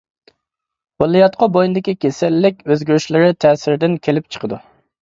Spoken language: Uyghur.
بالىياتقۇ بوينىدىكى كېسەللىك ئۆزگىرىشلىرى تەسىرىدىن كېلىپ چىقىدۇ.